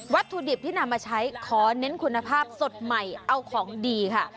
ถุดิบที่นำมาใช้ขอเน้นคุณภาพสดใหม่เอาของดีค่ะ